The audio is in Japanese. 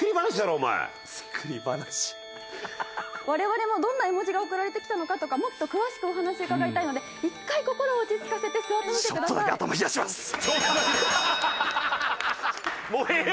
我々もどんな絵文字が送られてきたのかとかもっと詳しくお話伺いたいので１回心落ち着かせて座ってみてください。